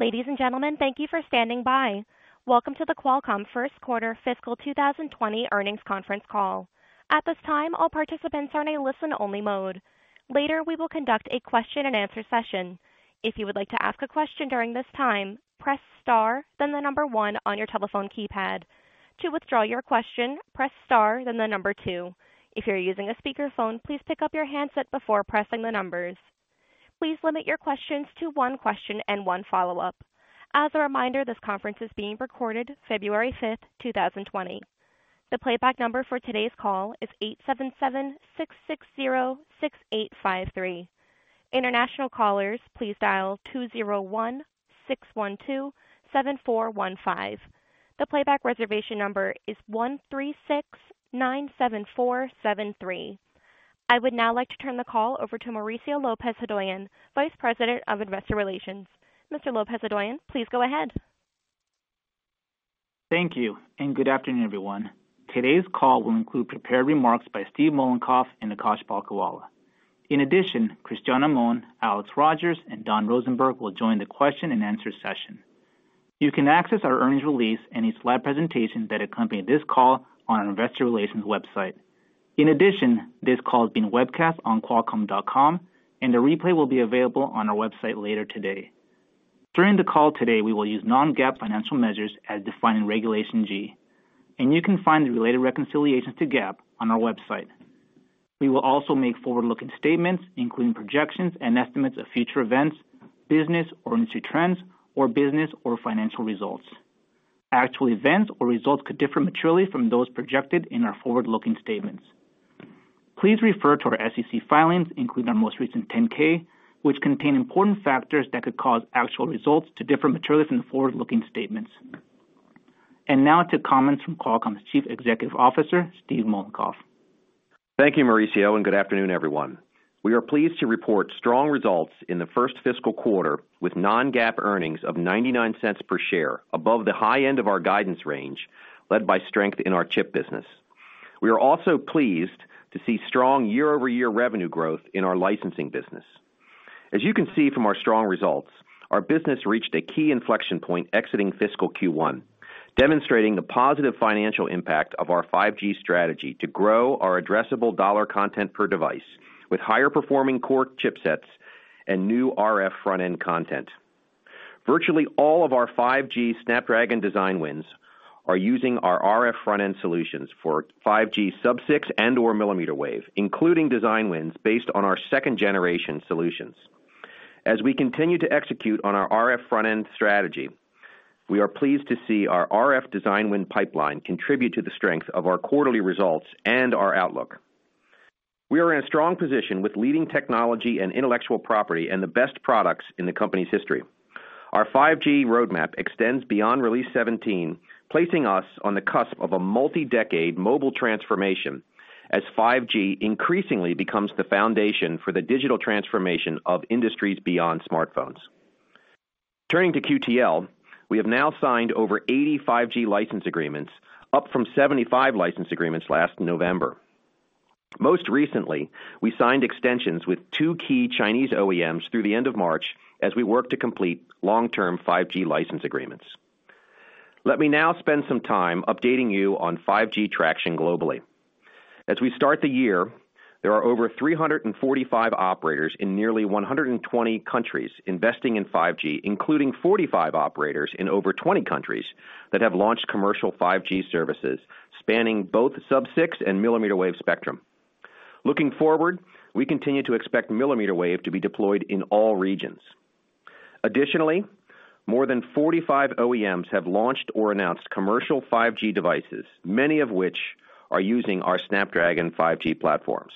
Ladies and gentlemen, thank you for standing by. Welcome to the Qualcomm first quarter fiscal 2020 earnings conference call. At this time, all participants are in a listen-only mode. Later, we will conduct a question-and-answer session. If you would like to ask a question during this time, press star then the number one on your telephone keypad. To withdraw your question, press star then the number two. If you're using a speakerphone, please pick up your handset before pressing the numbers. Please limit your questions to one question and one follow-up. As a reminder, this conference is being recorded on February 5th, 2020. The playback number for today's call is 877-660-6853. International callers, please dial 201-612-7415. The playback reservation number is 13697473. I would now like to turn the call over to Mauricio Lopez-Hodoyan, Vice President of Investor Relations. Mr. Lopez-Hodoyan, please go ahead. Thank you, good afternoon, everyone. Today's call will include prepared remarks by Steve Mollenkopf and Akash Palkhiwala. In addition, Cristiano Amon, Alex Rogers, and Don Rosenberg will join the question-and-answer session. You can access our earnings release and its slide presentation that accompany this call on our investor relations website. In addition, this call is being webcast on qualcomm.com, and the replay will be available on our website later today. During the call today, we will use non-GAAP financial measures as defined in Regulation G, and you can find the related reconciliations to GAAP on our website. We will also make forward-looking statements, including projections and estimates of future events, business or industry trends, or business or financial results. Actual events or results could differ materially from those projected in our forward-looking statements. Please refer to our SEC filings, including our most recent 10-K, which contain important factors that could cause actual results to differ materially from the forward-looking statements. Now to comments from Qualcomm's Chief Executive Officer, Steve Mollenkopf. Thank you, Mauricio. Good afternoon, everyone. We are pleased to report strong results in the first fiscal quarter with non-GAAP earnings of $0.99 per share above the high end of our guidance range, led by strength in our chip business. We are also pleased to see strong year-over-year revenue growth in our licensing business. As you can see from our strong results, our business reached a key inflection point exiting fiscal Q1, demonstrating the positive financial impact of our 5G strategy to grow our addressable dollar content per device with higher-performing core chipsets and new RF Front-End content. Virtually all of our 5G Snapdragon design wins are using our RF Front-End solutions for 5G sub-6 and/or millimeter wave, including design wins based on our second-generation solutions. As we continue to execute on our RF Front-End strategy, we are pleased to see our RF design win pipeline contribute to the strength of our quarterly results and our outlook. We are in a strong position with leading technology and intellectual property, and the best products in the company's history. Our 5G roadmap extends beyond Release 17, placing us on the cusp of a multi-decade mobile transformation as 5G increasingly becomes the foundation for the digital transformation of industries beyond smartphones. Turning to QTL, we have now signed over 80 5G license agreements, up from 75 license agreements last November. Most recently, we signed extensions with two key Chinese OEMs through the end of March as we work to complete long-term 5G license agreements. Let me now spend some time updating you on 5G traction globally. As we start the year, there are over 345 operators in nearly 120 countries investing in 5G, including 45 operators in over 20 countries that have launched commercial 5G services, spanning both sub-6 and millimeter wave spectrum. Looking forward, we continue to expect millimeter wave to be deployed in all regions. Additionally, more than 45 OEMs have launched or announced commercial 5G devices, many of which are using our Snapdragon 5G platforms.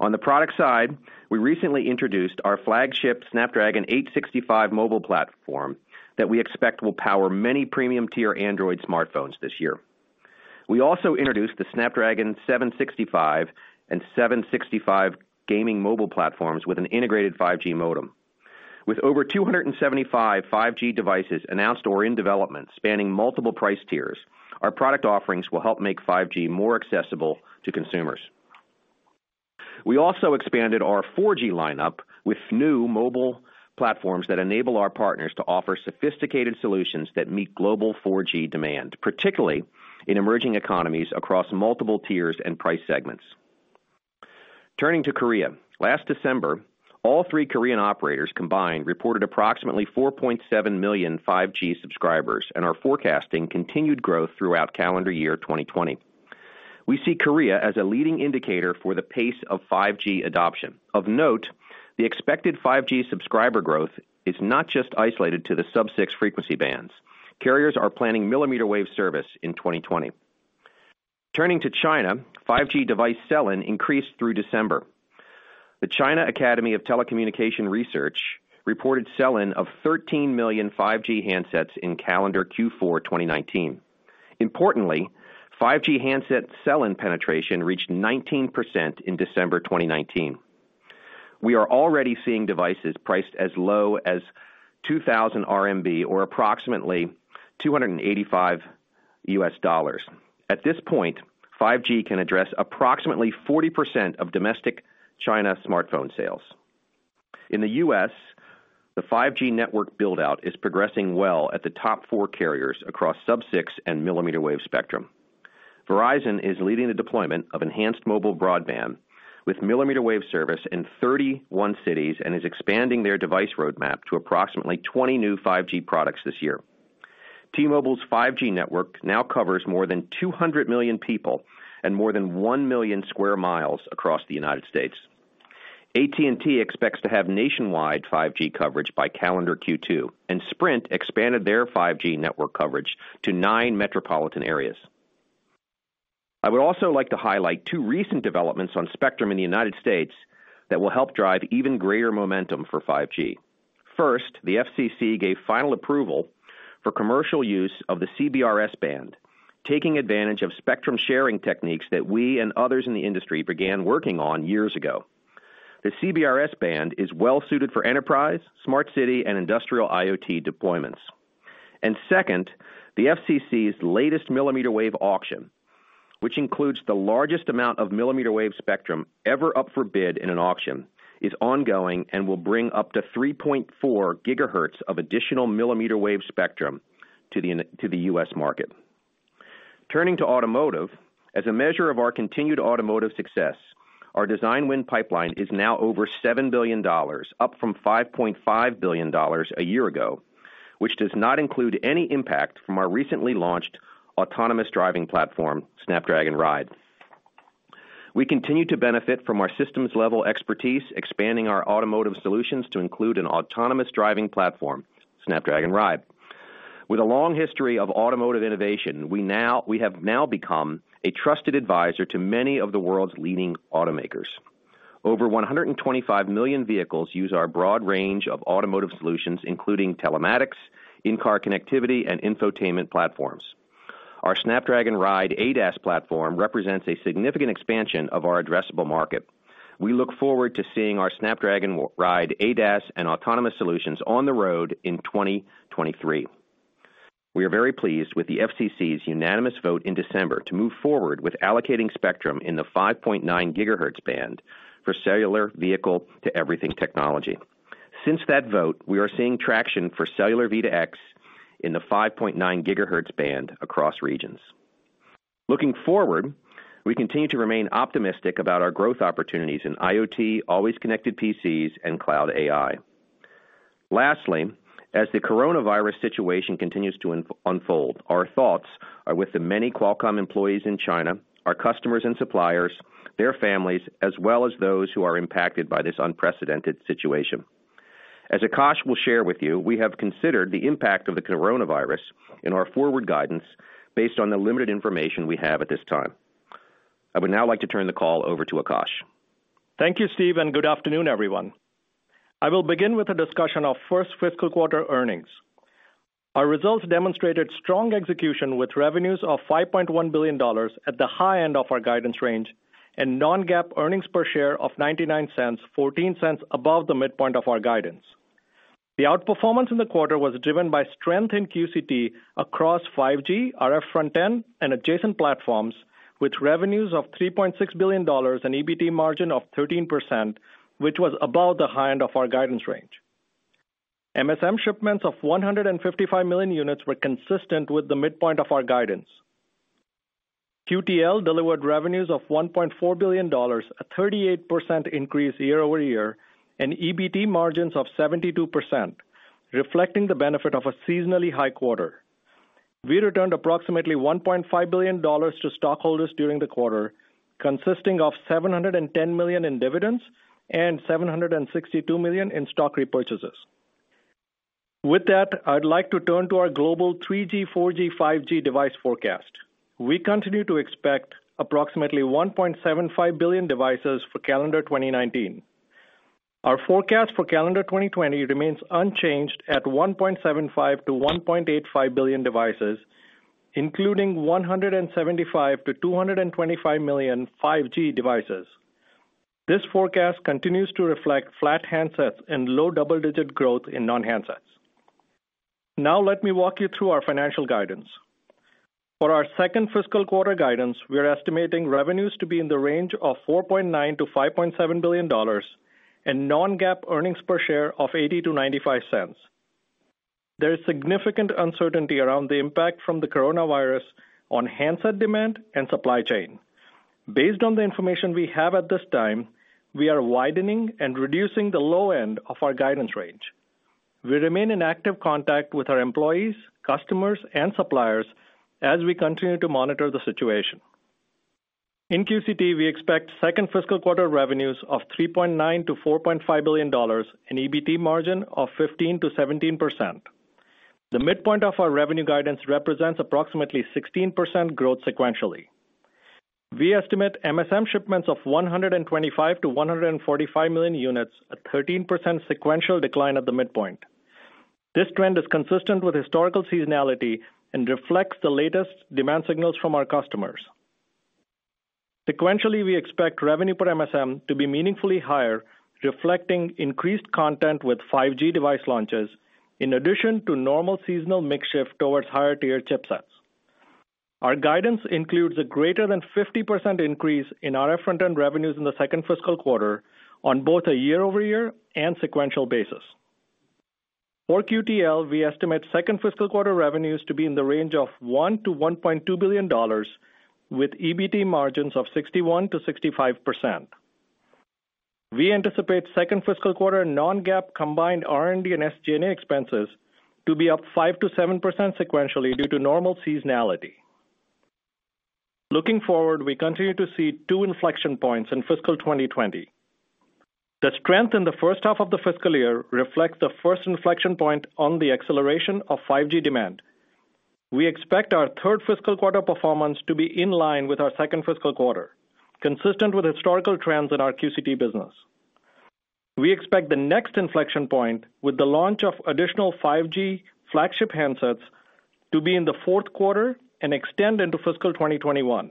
On the product side, we recently introduced our flagship Snapdragon 865 mobile platform that we expect will power many premium-tier Android smartphones this year. We also introduced the Snapdragon 765 and 765 Gaming Mobile platforms with an integrated 5G modem. With over 275 5G devices announced or in development spanning multiple price tiers, our product offerings will help make 5G more accessible to consumers. We also expanded our 4G lineup with new mobile platforms that enable our partners to offer sophisticated solutions that meet global 4G demand, particularly in emerging economies across multiple tiers and price segments. Turning to Korea. Last December, all three Korean operators combined reported approximately 4.7 million 5G subscribers and are forecasting continued growth throughout the calendar year 2020. We see Korea as a leading indicator for the pace of 5G adoption. Of note, the expected 5G subscriber growth is not just isolated to the sub-6 frequency bands. Carriers are planning millimeter wave service in 2020. Turning to China, 5G device sell-in increased through December. The China Academy of Telecommunication Research reported sell-in of 13 million 5G handsets in calendar Q4 2019. Importantly, 5G handset sell-in penetration reached 19% in December 2019. We are already seeing devices priced as low as 2,000 RMB or approximately $285. At this point, 5G can address approximately 40% of domestic China smartphone sales. In the U.S., the 5G network build-out is progressing well at the top four carriers across sub-6 and millimeter wave spectrum. Verizon is leading the deployment of enhanced mobile broadband with millimeter wave service in 31 cities and is expanding their device roadmap to approximately 20 new 5G products this year. T-Mobile's 5G network now covers more than 200 million people and more than 1 million square miles across the United States. AT&T expects to have nationwide 5G coverage by calendar Q2. Sprint expanded their 5G network coverage to nine metropolitan areas. I would also like to highlight two recent developments on spectrum in the United States that will help drive even greater momentum for 5G. First, the FCC gave final approval for commercial use of the CBRS band, taking advantage of spectrum sharing techniques that we and others in the industry began working on years ago. The CBRS band is well-suited for enterprise, smart city, and industrial IoT deployments. Second, the FCC's latest millimeter wave auction, which includes the largest amount of millimeter wave spectrum ever up for bid in an auction, is ongoing and will bring up to 3.4 GHz of additional millimeter wave spectrum to the U.S. market. Turning to automotive, as a measure of our continued automotive success, our design win pipeline is now over $7 billion, up from $5.5 billion a year ago, which does not include any impact from our recently launched autonomous driving platform, Snapdragon Ride. We continue to benefit from our systems-level expertise, expanding our automotive solutions to include an autonomous driving platform, Snapdragon Ride. With a long history of automotive innovation, we have now become a trusted advisor to many of the world's leading automakers. Over 125 million vehicles use our broad range of automotive solutions, including telematics, in-car connectivity, and infotainment platforms. Our Snapdragon Ride ADAS platform represents a significant expansion of our addressable market. We look forward to seeing our Snapdragon Ride ADAS and autonomous solutions on the road in 2023. We are very pleased with the FCC's unanimous vote in December to move forward with allocating spectrum in the 5.9 GHz band for Cellular Vehicle-to-Everything technology. Since that vote, we are seeing traction for Cellular V2X in the 5.9 GHz band across regions. Looking forward, we continue to remain optimistic about our growth opportunities in IoT, Always Connected PCs, and Cloud AI. Lastly, as the coronavirus situation continues to unfold, our thoughts are with the many Qualcomm employees in China, our customers and suppliers, their families, as well as those who are impacted by this unprecedented situation. As Akash will share with you, we have considered the impact of the coronavirus in our forward guidance based on the limited information we have at this time. I would now like to turn the call over to Akash. Thank you, Steve. Good afternoon, everyone. I will begin with a discussion of the first fiscal quarter earnings. Our results demonstrated strong execution with revenues of $5.1 billion at the high end of our guidance range and non-GAAP earnings per share of $0.99, $0.14 above the midpoint of our guidance. The outperformance in the quarter was driven by strength in QCT across 5G, RF Front-End, and adjacent platforms with revenues of $3.6 billion and EBT margin of 13%, which was above the high end of our guidance range. MSM shipments of 155 million units were consistent with the midpoint of our guidance. QTL delivered revenues of $1.4 billion, a 38% increase year-over-year, and EBT margins of 72%, reflecting the benefit of a seasonally high quarter. We returned approximately $1.5 billion to stockholders during the quarter, consisting of $710 million in dividends and $762 million in stock repurchases. With that, I'd like to turn to our global 3G, 4G, 5G device forecast. We continue to expect approximately 1.75 billion devices for calendar 2019. Our forecast for calendar 2020 remains unchanged at 1.75 billion-1.85 billion devices, including 175 million-225 million 5G devices. This forecast continues to reflect flat handsets and low double-digit growth in non-handsets. Let me walk you through our financial guidance. For our second fiscal quarter guidance, we are estimating revenues to be in the range of $4.9 billion-$5.7 billion and non-GAAP earnings per share of $0.80-$0.95. There is significant uncertainty around the impact from the coronavirus on handset demand and the supply chain. Based on the information we have at this time, we are widening and reducing the low end of our guidance range. We remain in active contact with our employees, customers, and suppliers as we continue to monitor the situation. In QCT, we expect second fiscal quarter revenues of $3.9-$4.5 billion and EBT margin of 15%-17%. The midpoint of our revenue guidance represents approximately 16% growth sequentially. We estimate MSM shipments of 125 to 145 million units, a 13% sequential decline at the midpoint. This trend is consistent with historical seasonality and reflects the latest demand signals from our customers. Sequentially, we expect revenue per MSM to be meaningfully higher, reflecting increased content with 5G device launches, in addition to normal seasonal mix shift towards higher-tier chipsets. Our guidance includes a greater than 50% increase in RF Front-End revenues in the second fiscal quarter on both a year-over-year and sequential basis. For QTL, we estimate second fiscal quarter revenues to be in the range of $1 billion-$1.2 billion with EBT margins of 61%-65%. We anticipate the second fiscal quarter non-GAAP combined R&D and SG&A expenses to be up 5%-7% sequentially due to normal seasonality. Looking forward, we continue to see two inflection points in fiscal 2020. The strength in the first half of the fiscal year reflects the first inflection point on the acceleration of 5G demand. We expect our third fiscal quarter performance to be in line with our second fiscal quarter, consistent with historical trends in our QCT business. We expect the next inflection point with the launch of additional 5G flagship handsets to be in the fourth quarter and extend into fiscal 2021.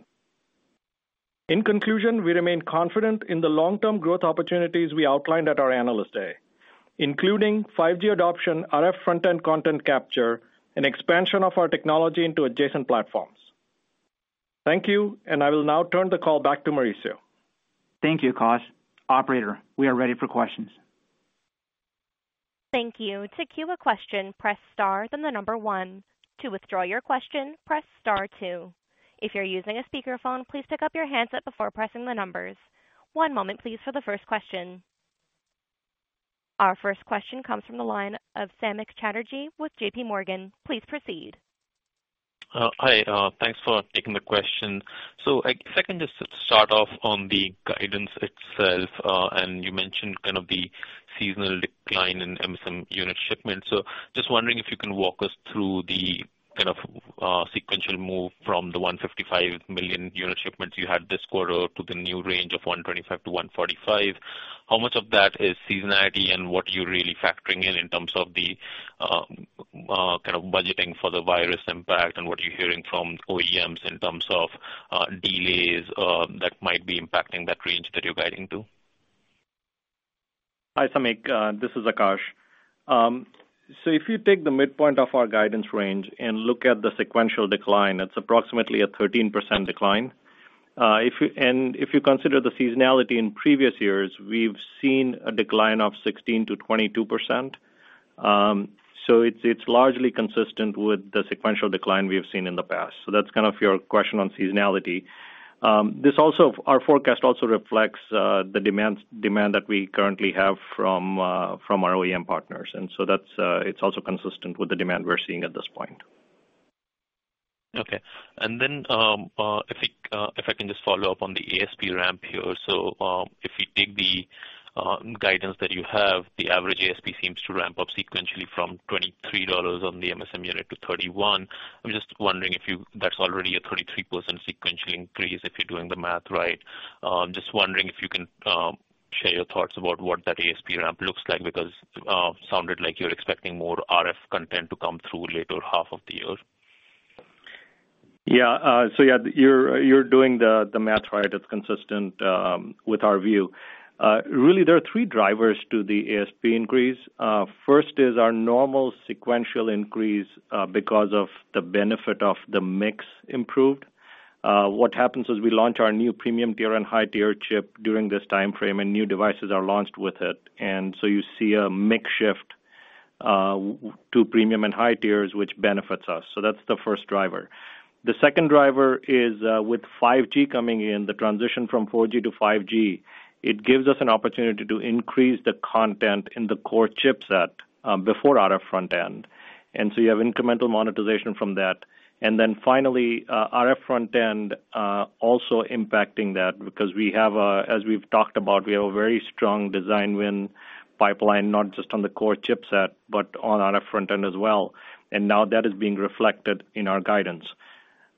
In conclusion, we remain confident in the long-term growth opportunities we outlined at our Analyst Day, including 5G adoption, RF Front-End content capture, and expansion of our technology into adjacent platforms. Thank you, and I will now turn the call back to Mauricio. Thank you, Akash. Operator, we are ready for questions. Thank you. To queue a question, press star then the number one. To withdraw your question, press star two. If you're using a speakerphone, please pick up your handset before pressing the numbers. One moment, please, for the first question. Our first question comes from the line of Samik Chatterjee with JPMorgan. Please proceed. Hi, thanks for taking the question. If I can just start off on the guidance itself, you mentioned kind of the seasonal decline in MSM unit shipments. Just wondering if you can walk us through the kind of sequential move from the 155 million unit shipments you had this quarter to the new range of 125 million-145 million. How much of that is seasonality, and what are you really factoring in terms of the kind of budgeting for the virus impact, and what you're hearing from OEMs in terms of delays that might be impacting that range that you're guiding to? Hi, Samik. This is Akash. If you take the midpoint of our guidance range and look at the sequential decline, that's approximately a 13% decline. If you consider the seasonality in previous years, we've seen a decline of 16%-22%. It's largely consistent with the sequential decline we have seen in the past. That's kind of your question on seasonality. Our forecast also reflects the demand that we currently have from our OEM partners, and so it's also consistent with the demand we're seeing at this point. Okay. If I can just follow up on the ASP ramp here. If we take the guidance that you have, the average ASP seems to ramp up sequentially from $23 on the MSM unit to $31. I'm just wondering if that's already a 33% sequential increase if you're doing the math right. I'm just wondering if you can share your thoughts about what that ASP ramp looks like, because it sounded like you're expecting more RF content to come through later half of the year. Yeah. Yeah, you're doing the math right. It's consistent with our view. Really, there are three drivers to the ASP increase. First is our normal sequential increase because of the benefit of the mix improved. What happens is we launch our new premium tier and high-tier chip during this timeframe, and new devices are launched with it. You see a mix shift to premium and high tiers, which benefits us. That's the first driver. The second driver is with 5G coming in, the transition from 4G to 5G, it gives us an opportunity to increase the content in the core chipset before the RF Front-End. You have incremental monetization from that. Finally, RF Front-End also impacting that because, as we've talked about, we have a very strong design win pipeline, not just on the core chipset, but on RF Front-End as well. Now that is being reflected in our guidance.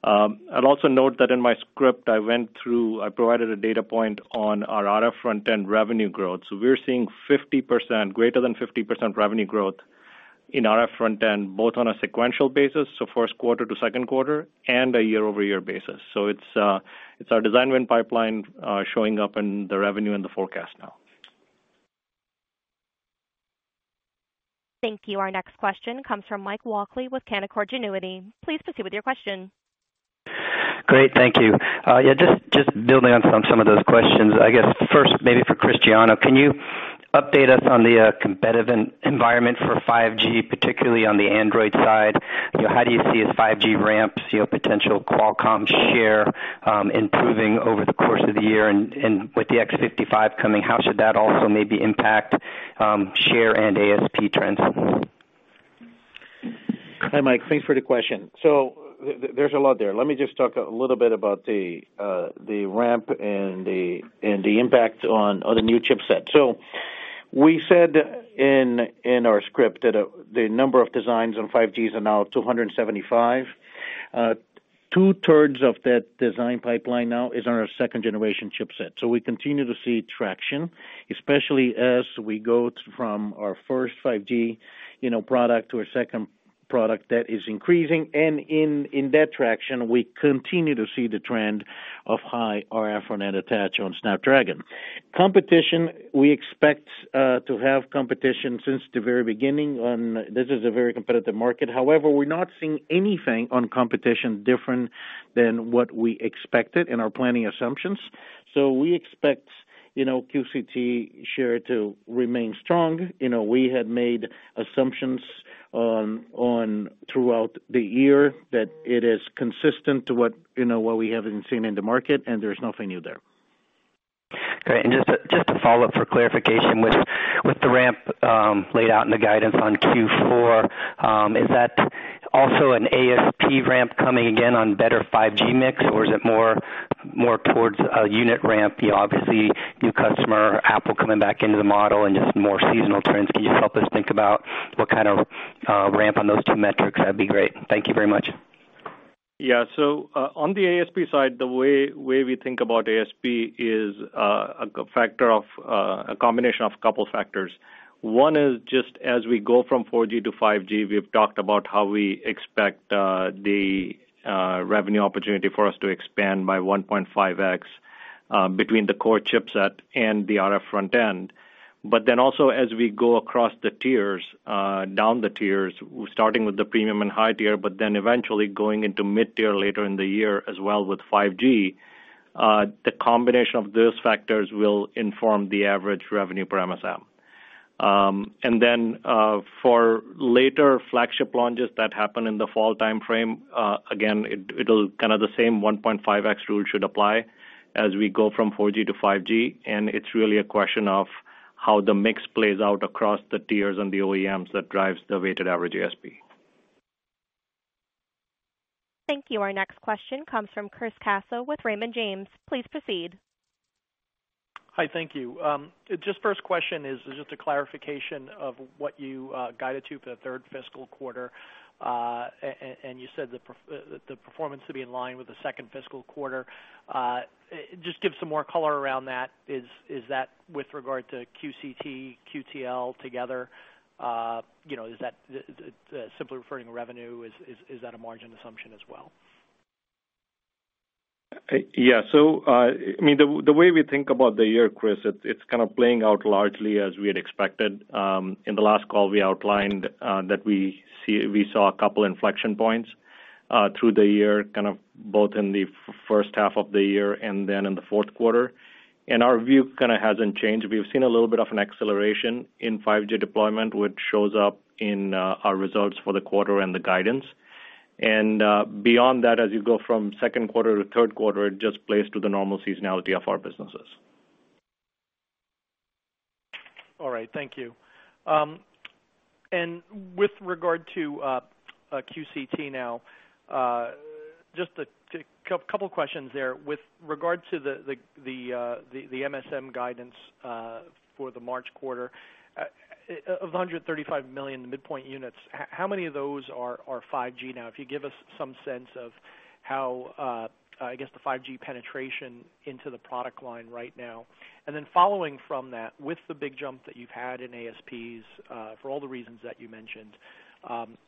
I'd also note that in my script, I went through, I provided a data point on our RF Front-End revenue growth. We're seeing 50%, greater than 50% revenue growth in RF Front-End, both on a sequential basis, first quarter to second quarter, and a year-over-year basis. It's our design win pipeline showing up in the revenue and the forecast now. Thank you. Our next question comes from Mike Walkley with Canaccord Genuity. Please proceed with your question. Great. Thank you. Just building on some of those questions. I guess first, maybe for Cristiano, can you update us on the competitive environment for 5G, particularly on the Android side? How do you see as 5G ramps, potential Qualcomm share improving over the course of the year, and with the X55 coming, how should that also maybe impact share and ASP trends? Hi, Mike. Thanks for the question. There's a lot there. Let me just talk a little bit about the ramp and the impact on the new chipset. We said in our script that the number of designs on 5G is now 275. 2/3 of that design pipeline is now on our second-generation chipset. We continue to see traction, especially as we go from our first 5G product to a second product that is increasing, and in that traction, we continue to see the trend of high RF Front-End attach on Snapdragon. Competition, we expect to have competition since the very beginning, and this is a very competitive market. However, we're not seeing anything on competition different than what we expected in our planning assumptions. We expect the QCT share to remain strong. We had made assumptions on throughout the year that it is consistent to what we have been seeing in the market, and there's nothing new there. Just to follow up for clarification with the ramp laid out in the guidance on Q4, is that also an ASP ramp coming again on a better 5G mix, or is it more towards a unit ramp? Obviously, new customers, Apple coming back into the model, and just more seasonal trends. Can you help us think about what kind of ramp on those two metrics? That'd be great. Thank you very much. Yeah. On the ASP side, the way we think about ASP is a combination of a couple of factors. One is just as we go from 4G to 5G, we've talked about how we expect the revenue opportunity for us to expand by 1.5x between the core chipset and the RF Front-End. Also, as we go across the tiers, down the tiers, starting with the premium and high tier, eventually going into mid-tier later in the year as well with 5G, the combination of those factors will inform the average revenue per MSM. For later flagship launches that happen in the fall timeframe, again, it'll kind of the same 1.5x rule should apply as we go from 4G to 5G, and it's really a question of how the mix plays out across the tiers and the OEMs that drives the weighted average ASP. Thank you. Our next question comes from Chris Caso with Raymond James. Please proceed. Hi. Thank you. Just first question is just a clarification of what you guided to for the third fiscal quarter. You said the performance to be in line with the second fiscal quarter. Just give some more color around that. Is that with regard to QCT, QTL together? Is that simply referring to revenue? Is that a margin assumption as well? Yeah. The way we think about the year, Chris, it's kind of playing out largely as we had expected. In the last call, we outlined that we saw a couple of inflection points, through the year, both in the first half of the year and then in the fourth quarter. Our view hasn't changed. We've seen a little bit of an acceleration in 5G deployment, which shows up in our results for the quarter and the guidance. Beyond that, as you go from the second quarter to the third quarter, it just plays to the normal seasonality of our businesses. All right. Thank you. With regard to QCT now, just a couple of questions there with regard to the MSM guidance, for the March quarter. Of the 135 million midpoint units, how many of those are 5G now? If you give us some sense of how, I guess, the 5G penetration into the product line right now. Following from that, with the big jump that you've had in ASPs, for all the reasons that you mentioned,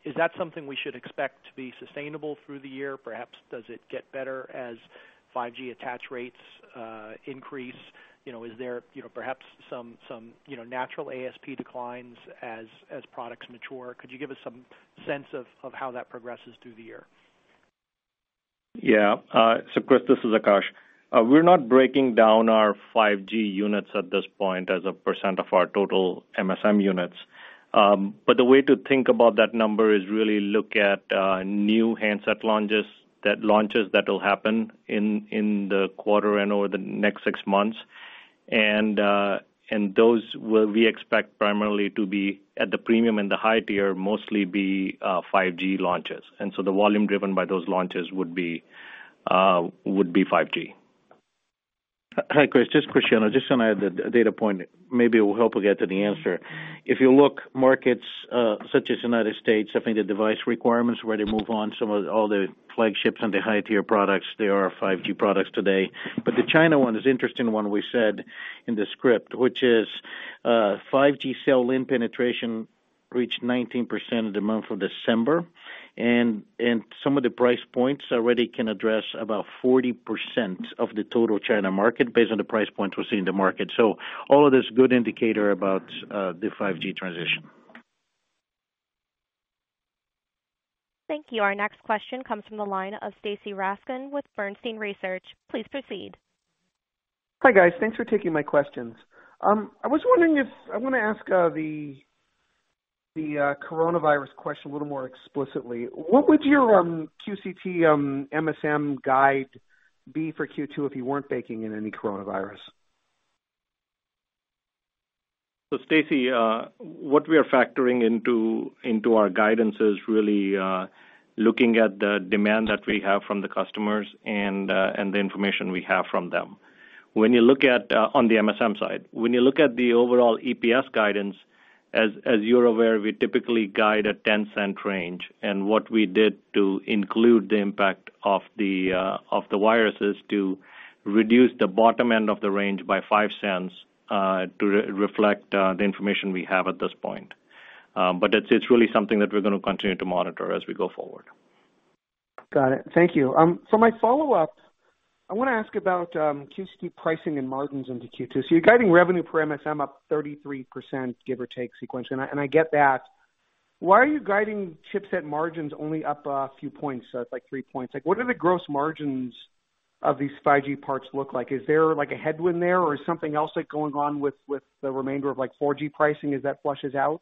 is that something we should expect to be sustainable through the year? Perhaps, does it get better as 5G attach rates increase? Is there perhaps some natural ASP declines as products mature? Could you give us some sense of how that progresses through the year? Yeah. Chris, this is Akash. We're not breaking down our 5G units at this point as a percentage of our total MSM units. The way to think about that number is to really look at new handset launches that'll happen in the quarter and over the next six months. Those will, we expect primarily to be at the premium and the high tier, mostly be 5G launches. The volume driven by those launches would be 5G. Hi, Chris. This is Cristiano. Just going to add a data point, maybe it will help you get to the answer. If you look at markets such as the U.S., I think the device requirements where they move on some of all the flagships and the high-tier products, they are 5G products today. The China one is interesting one we said in the script, which is 5G sell-in penetration reached 19% in the month of December. Some of the price points already can address about 40% of the total China market based on the price points we're seeing in the market. All of this good indicator about the 5G transition. Thank you. Our next question comes from the line of Stacy Rasgon with Bernstein Research. Please proceed. Hi, guys. Thanks for taking my questions. I want to ask the coronavirus question a little more explicitly. What would your QCT MSM guide be for Q2 if you weren't baking in any coronavirus? Stacy, what we are factoring into our guidance is really looking at the demand that we have from the customers and the information we have from them on the MSM side. When you look at the overall EPS guidance, as you're aware, we typically guide a $0.10 range, and what we did to include the impact of the virus is to reduce the bottom end of the range by $0.05 to reflect the information we have at this point. It's really something that we're going to continue to monitor as we go forward. Got it. Thank you. For my follow-up, I want to ask about QCT pricing and margins into Q2. You're guiding revenue per MSM up 33%, give or take, sequentially, and I get that. Why are you guiding chipset margins only up a few points? That's like three points. What do the gross margins of these 5G parts look like? Is there a headwind there, or is something else going on with the remainder of 4G pricing as that flushes out?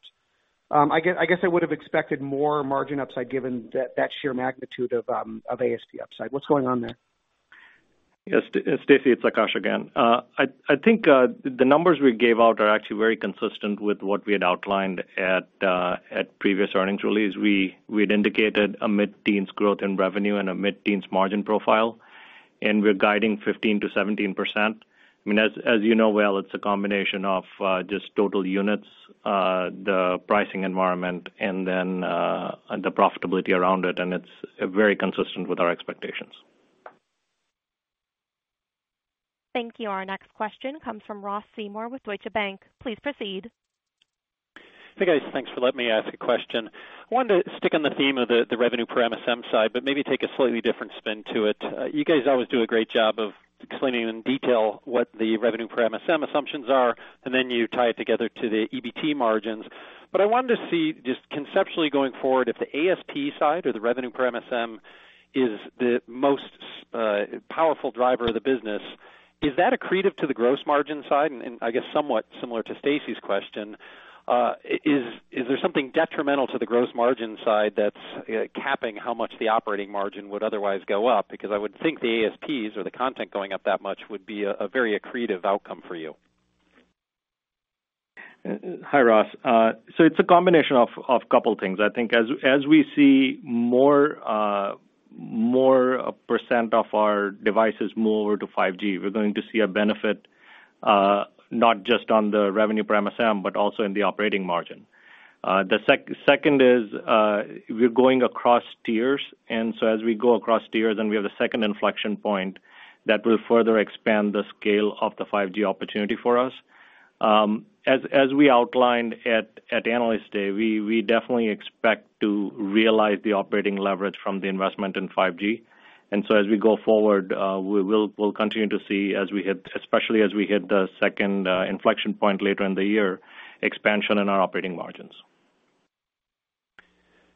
I guess I would have expected more margin upside, given that sheer magnitude of ASP upside. What's going on there? Yes, Stacy, it's Akash again. I think the numbers we gave out are actually very consistent with what we had outlined at the previous earnings release. We had indicated a mid-teens growth in revenue and a mid-teens margin profile, and we're guiding 15%-17%. As you know well, it's a combination of just total units, the pricing environment, and then the profitability around it, and it's very consistent with our expectations. Thank you. Our next question comes from Ross Seymore with Deutsche Bank. Please proceed. Hey, guys. Thanks for letting me ask a question. I wanted to stick on the theme of the revenue per MSM side, but maybe take a slightly different spin to it. You guys always do a great job of explaining in detail what the revenue per MSM assumptions are, and then you tie it together to the EBT margins. I wanted to see, just conceptually going forward, if the ASP side or the revenue per MSM is the most powerful driver of the business, is that accretive to the gross margin side? I guess somewhat similar to Stacy's question, is there something detrimental to the gross margin side that's capping how much the operating margin would otherwise go up? I would think the ASPs or the content going up that much would be a very accretive outcome for you. Hi, Ross. It's a combination of a couple of things. I think as we see more percent of our devices move over to 5G, we're going to see a benefit, not just on the revenue per MSM, but also in the operating margin. The second is we're going across tiers. As we go across tiers, then we have a second inflection point that will further expand the scale of the 5G opportunity for us. As we outlined at Analyst Day, we definitely expect to realize the operating leverage from the investment in 5G. As we go forward, we'll continue to see, especially as we hit the second inflection point later in the year, expansion in our operating margins.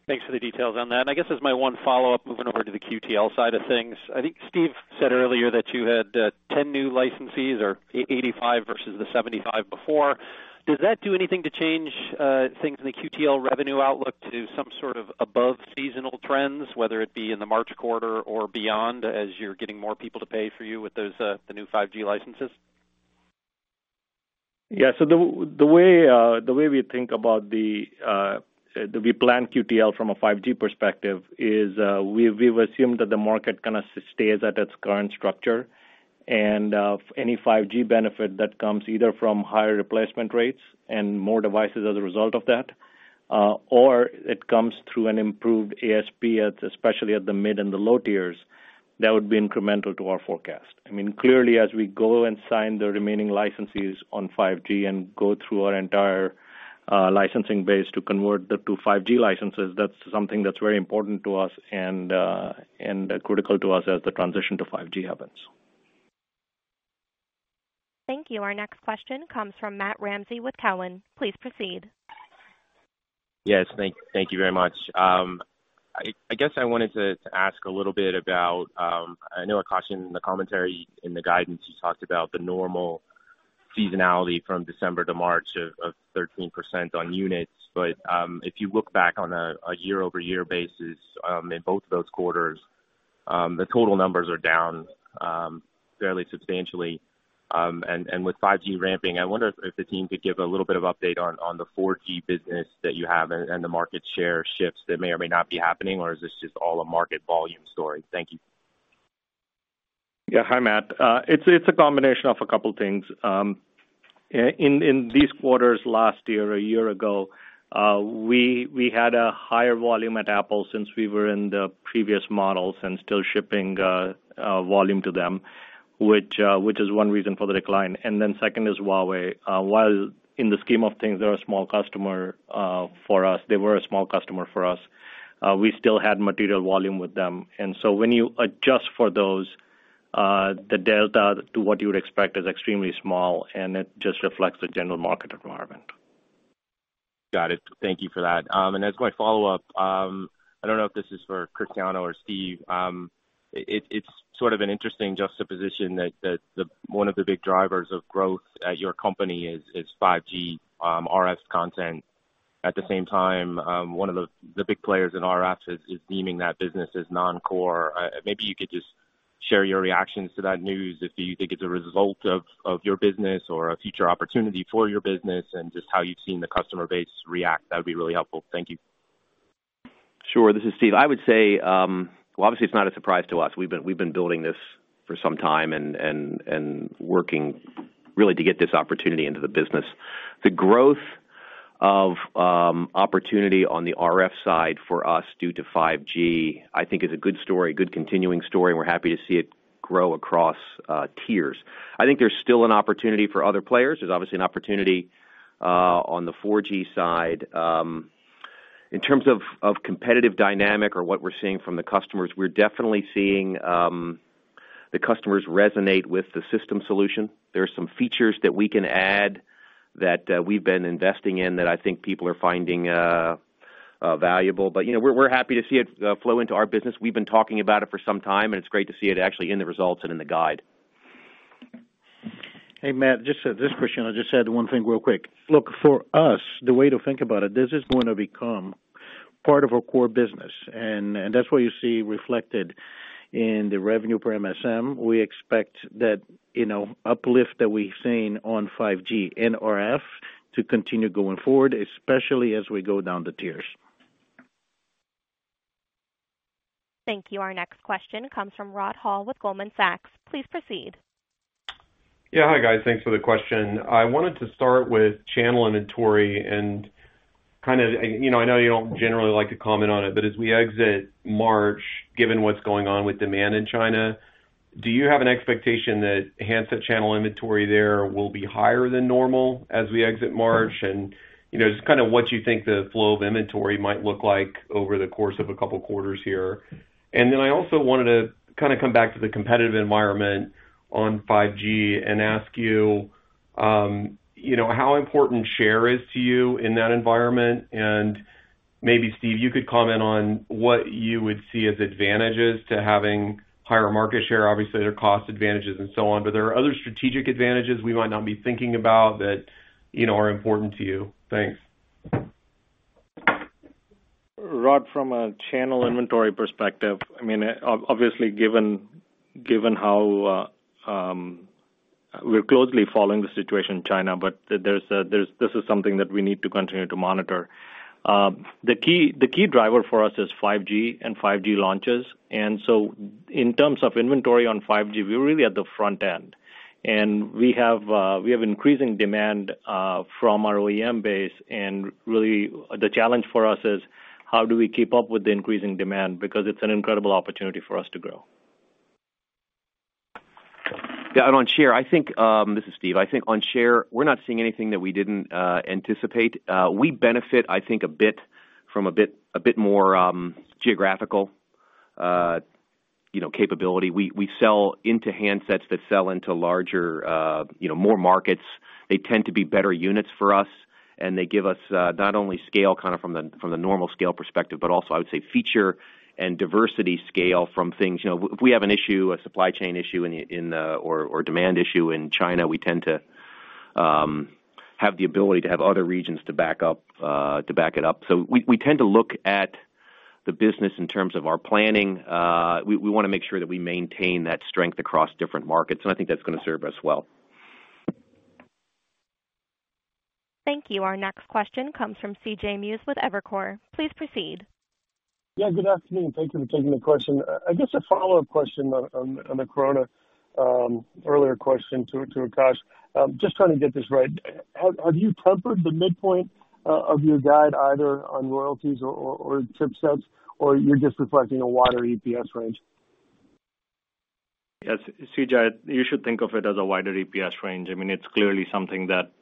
Thanks for the details on that. I guess as my one follow-up, moving over to the QTL side of things, I think Steve said earlier that you had 10 new licensees or 85 versus the 75 before. Does that do anything to change things in the QTL revenue outlook to some sort of above seasonal trends, whether it be in the March quarter or beyond, as you're getting more people to pay for you with the new 5G licenses? Yeah. The way we plan QTL from a 5G perspective is we've assumed that the market kind of stays at its current structure, and any 5G benefit that comes either from higher replacement rates and more devices as a result of that, or it comes through an improved ASP, especially at the mid and the low tiers, that would be incremental to our forecast. Clearly, as we go and sign the remaining licensees on 5G and go through our entire licensing base to convert to 5G licenses, that's something that's very important to us and critical to us as the transition to 5G happens. Thank you. Our next question comes from Matt Ramsay with Cowen. Please proceed. Yes. Thank you very much. I guess I wanted to ask a little bit about, I know, Akash, in the commentary in the guidance, you talked about the normal seasonality from December to March of 13% on units. If you look back on a year-over-year basis in both of those quarters, the total numbers are down fairly substantially. With 5G ramping, I wonder if the team could give a little bit of an update on the 4G business that you have and the market share shifts that may or may not be happening, or is this just all a market volume story? Thank you Yeah. Hi, Matt. It's a combination of a couple of things. In these quarters last year, a year ago, we had a higher volume at Apple since we were in the previous models and still shipping volume to them, which is one reason for the decline. Second is Huawei. While in the scheme of things, they're a small customer for us, they were a small customer for us, we still had material volume with them. When you adjust for those, the delta to what you would expect is extremely small, and it just reflects the general market environment. Got it. Thank you for that. As my follow-up, I don't know if this is for Cristiano or Steve. It's sort of an interesting juxtaposition that one of the big drivers of growth at your company is 5G RF content. At the same time, one of the big players in RF is deeming that business as non-core. Maybe you could just share your reactions to that news, if you think it's a result of your business or a future opportunity for your business, and just how you've seen the customer base react, that would be really helpful. Thank you. Sure. This is Steve. I would say, well, obviously, it's not a surprise to us. We've been building this for some time and working really to get this opportunity into the business. The growth of opportunity on the RF side for us due to 5G, I think, is a good story, a good continuing story, and we're happy to see it grow across tiers. I think there's still an opportunity for other players. There's obviously an opportunity on the 4G side. In terms of competitive dynamics or what we're seeing from the customers, we're definitely seeing the customers resonate with the system solution. There are some features that we can add that we've been investing in that I think people are finding valuable. We're happy to see it flow into our business. We've been talking about it for some time, and it's great to see it actually in the results and in the guide. Hey, Matt, this is Cristiano. I will just add one thing real quick. Look, for us, the way to think about it, this is going to become part of our core business, and that's why you see reflected in the revenue per MSM. We expect that uplift that we've seen on 5G in RF to continue going forward, especially as we go down the tiers. Thank you. Our next question comes from Rod Hall with Goldman Sachs. Please proceed. Yeah. Hi, guys. Thanks for the question. I wanted to start with channel inventory, and I know you don't generally like to comment on it, but as we exit March, given what's going on with demand in China, do you have an expectation that handset channel inventory there will be higher than normal as we exit March? Just kind of what you think the flow of inventory might look like over the course of a couple of quarters here. I also wanted to come back to the competitive environment on 5G and ask you, how important the share is to you in that environment? Maybe, Steve, you could comment on what you would see as advantages to having a higher market share. Obviously, there are cost advantages and so on, but there are other strategic advantages we might not be thinking about that are important to you. Thanks. Rod, from a channel inventory perspective, obviously, we're closely following the situation in China. This is something that we need to continue to monitor. The key driver for us is 5G and 5G launches. In terms of inventory on 5G, we're really at the front end, and we have increasing demand from our OEM base, and really, the challenge for us is how do we keep up with the increasing demand? It's an incredible opportunity for us to grow. Yeah, on share, this is Steve. I think on share, we're not seeing anything that we didn't anticipate. We benefit, I think, a bit from a bit more geographical capability. We sell into handsets that sell into more markets. They tend to be better units for us, and they give us not only scale from the normal scale perspective, but also, I would say, feature and diversity scale from things. If we have an issue, a supply chain issue, or a demand issue in China, we tend to have the ability to have other regions to back it up. We tend to look at the business in terms of our planning. We want to make sure that we maintain that strength across different markets, and I think that's going to serve us well. Thank you. Our next question comes from C.J. Muse with Evercore. Please proceed. Yeah, good afternoon. Thank you for taking the question. I guess a follow-up question on the coronavirus, earlier question to Akash. Just trying to get this right. Have you tempered the midpoint of your guide either on royalties or chipsets, or you're just reflecting a wider EPS range? Yes, C.J., you should think of it as a wider EPS range. It's clearly something that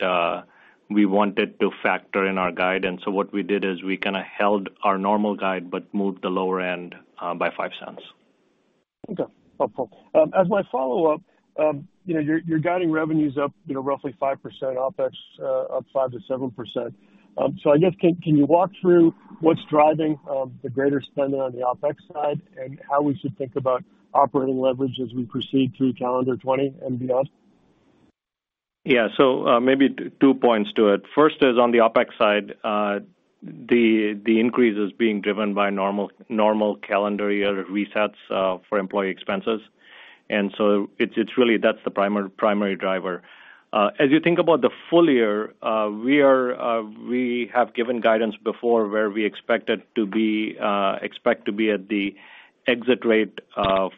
we wanted to factor into our guidance. What we did is we kind of held our normal guide but moved the lower end by $0.05. Okay. Helpful. As my follow-up, you're guiding revenues up roughly 5% OpEx, up 5%-7%. I guess, can you walk through what's driving the greater spending on the OpEx side and how we should think about operating leverage as we proceed through calendar 2020 and beyond? Yeah. Maybe two points to it. First is on the OpEx side, the increase is being driven by normal calendar year resets for employee expenses. That's the primary driver. As you think about the full year, we have given guidance before where we expect to be at the exit rate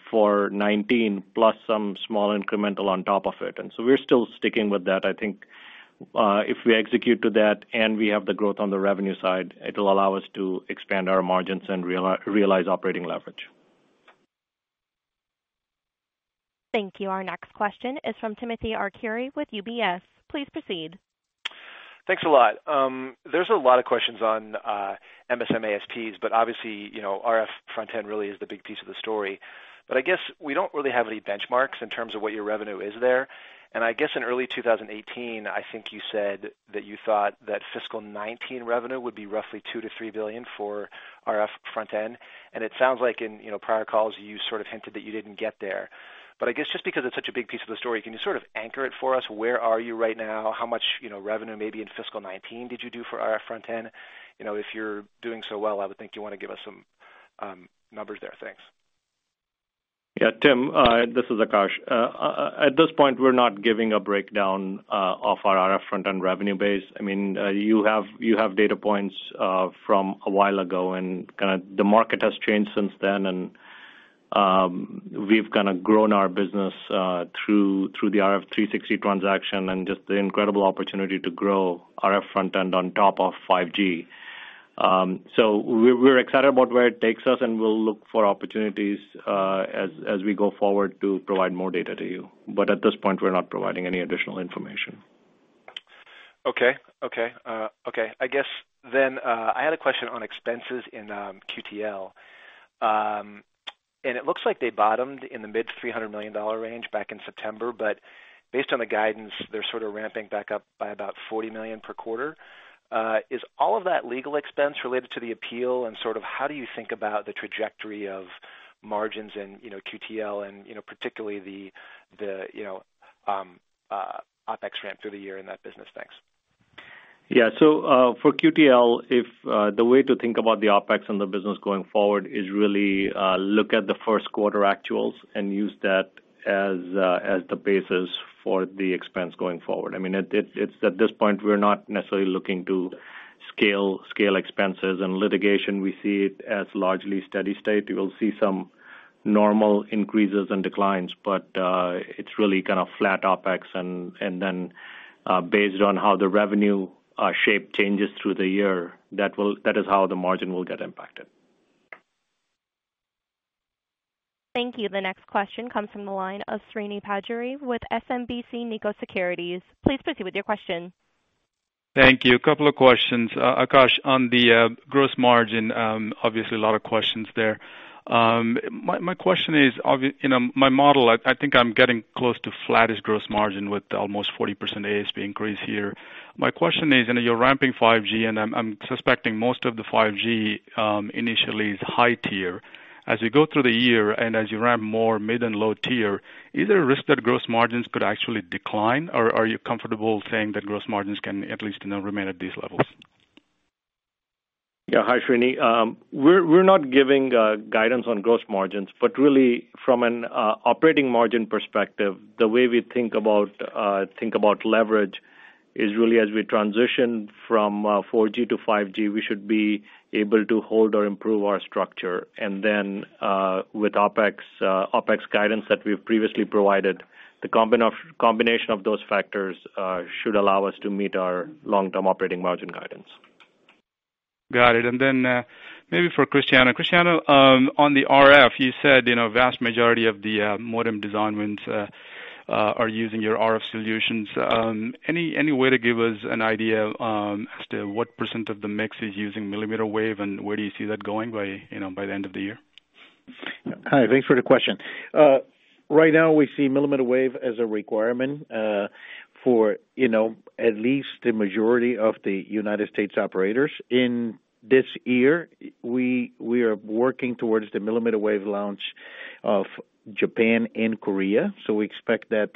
for 2019, plus some small incremental on top of it. We're still sticking with that. I think, if we execute to that and we have the growth on the revenue side, it'll allow us to expand our margins and realize operating leverage. Thank you. Our next question is from Timothy Arcuri with UBS. Please proceed. Thanks a lot. There's a lot of questions on MSM ASPs, but obviously, the RF Front-End really is the big piece of the story. I guess we don't really have any benchmarks in terms of what your revenue is there. I guess in early 2018, I think you said that you thought that fiscal 2019 revenue would be roughly $2 billion-$3 billion for RF Front-End. It sounds like in prior calls, you sort of hinted that you didn't get there. I guess, just because it's such a big piece of the story, can you sort of anchor it for us? Where are you right now? How much revenue, maybe in fiscal 2019, did you do for RF Front-End? If you're doing so well, I would think you want to give us some numbers there. Thanks. Yeah. Tim, this is Akash. At this point, we're not giving a breakdown of our RF Front-End revenue base. You have data points from a while ago, and the market has changed since then, and we've grown our business through the RF360 transaction and just the incredible opportunity to grow RF Front-End on top of 5G. We're excited about where it takes us, and we'll look for opportunities as we go forward to provide more data to you. At this point, we're not providing any additional information. Okay. I guess I had a question on expenses in QTL. It looks like they bottomed in the mid $300 million range back in September. Based on the guidance, they're sort of ramping back up by about $40 million per quarter. Is all of that legal expense related to the appeal, and how do you think about the trajectory of margins in QTL and particularly the OpEx ramp through the year in that business? Thanks. For QTL, the way to think about the OpEx and the business going forward is really look at the first quarter actuals and use that as the basis for the expense going forward. I mean, at this point, we're not necessarily looking to scale expenses and litigation; we see it as largely steady state. You will see some normal increases and declines, but it's really kind of flat OpEx, and then based on how the revenue shape changes through the year, that is how the margin will get impacted. Thank you. The next question comes from the line of Srini Pajjuri with SMBC Nikko Securities. Please proceed with your question. Thank you. A couple of questions. Akash, on the gross margin, obviously, a lot of questions there. My question is, my model, I think I'm getting close to flattest gross margin with almost 40% ASP increase here. My question is, you're ramping 5G, and I'm suspecting most of the 5G initially is high-tier. As you go through the year and as you ramp more mid and low-tier, is there a risk that gross margins could actually decline? Are you comfortable saying that gross margins can at least remain at these levels? Yeah. Hi, Srini. We're not giving guidance on gross margins, but really, from an operating margin perspective, the way we think about leverage is really as we transition from 4G to 5G, we should be able to hold or improve our structure. Then, with OpEx guidance that we've previously provided, the combination of those factors should allow us to meet our long-term operating margin guidance. Got it. Maybe for Cristiano. Cristiano, on the RF, you said the vast majority of the modem design wins are using your RF solutions. Any way to give us an idea as to what % of the mix is using millimeter wave, and where do you see that going by the end of the year? Hi, thanks for the question. Right now, we see millimeter wave as a requirement for at least the majority of the U.S. operators in this year. We are working towards the millimeter wave launch of Japan and Korea. We expect that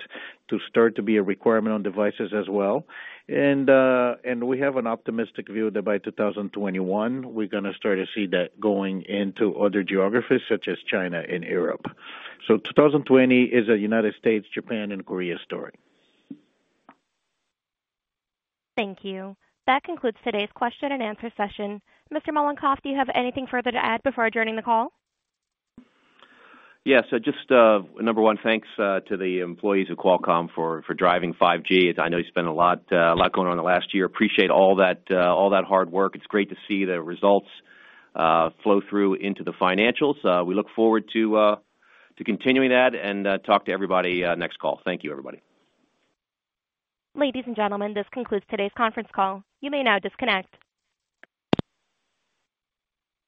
to start to be a requirement on devices as well. We have an optimistic view that by 2021, we're going to start to see that going into other geographies, such as China and Europe. 2020 is a U.S., Japan, and Korea story. Thank you. That concludes today's question-and-answer session. Mr. Mollenkopf, do you have anything further to add before adjourning the call? Yes. Number one, thanks to the employees of Qualcomm for driving 5G. As I know you spent a lot going on in the last year. Appreciate all that hard work. It's great to see the results flow through into the financials. We look forward to continuing that and talking to everybody on the next call. Thank you, everybody. Ladies and gentlemen, this concludes today's conference call. You may now disconnect.